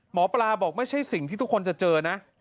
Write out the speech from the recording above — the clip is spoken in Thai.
หมอปลาบอกไม่ใช่สิ่งที่ทุกคนจะเจอนะ